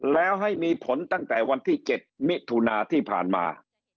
แล้วให้มีผลตั้งแต่วันที่๗มิถุนาที่ผ่านมา